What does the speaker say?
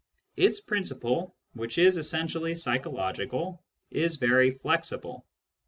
Its principle, which is essentially psychological, is very flexible.